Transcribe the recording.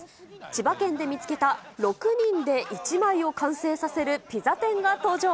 千葉県で見つけた６人で１枚を完成させるピザ店が登場。